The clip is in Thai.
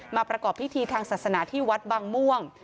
ประกอบพิธีทางศาสนาที่วัดบางม่วง